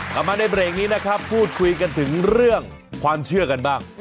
กลับมาในเบรกนี้นะครับพูดคุยกันถึงเรื่องความเชื่อกันบ้าง